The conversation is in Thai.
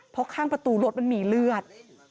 เพราะข้างประตูรถมันมีเลือด